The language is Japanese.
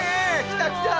きたきた！